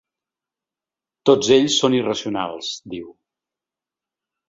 Tots ells són irracionals, diu.